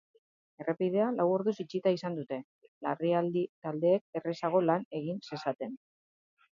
Errepidea lau orduz itxita izan dute, larrialde taldeek errazago lan egin zezaten.